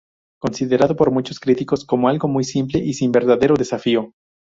Considerado por muchos críticos como algo muy simple y sin un verdadero desafío.